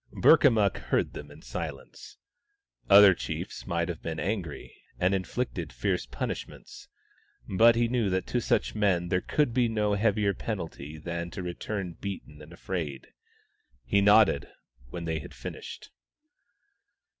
Burkamukk heard them in silence. Other chiefs might have been angry, and inflicted fierce punish ments, but he knew that to such men there could be no heavier penalty than to return beaten and afraid. He nodded, when they had finished.